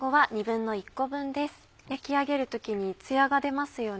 焼き上げる時に艶が出ますよね。